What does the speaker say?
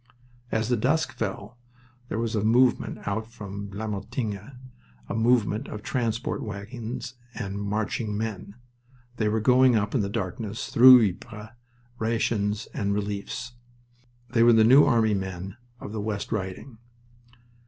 As the dusk fell there was a movement out from Vlamertinghe, a movement of transport wagons and marching men. They were going up in the darkness through Ypres rations and reliefs. They were the New Army men of the West Riding.